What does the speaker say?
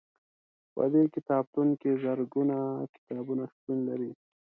په دې کتابتون کې زرګونه کتابونه شتون لري.